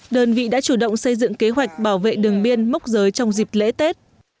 đơn vị đã chủ động xây dựng kế hoạch bảo vệ đường biên mốc giới trong dịp lễ tết